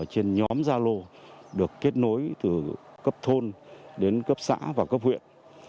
trên nhóm gia lô được kết nối từ cấp thôn đến cấp xã và cấp huyện